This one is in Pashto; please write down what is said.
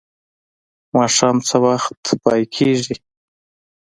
ماښام څه وخت پای کیږي؟